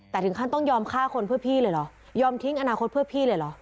แต่ถึงขั้นต้องยอมฆ่าคนเพื่อพี่เลยเหรอยอมทิ้งอนาคตเพื่อพี่เลยเหรอ